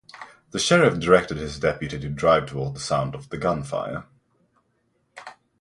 The sheriff directed his deputy to drive toward the sound of the gunfire.